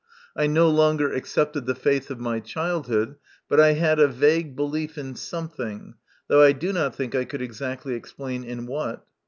I no longer accepted the faith of my childhood, but I had a vague belief in something, though I do not think I could exactly explain in what.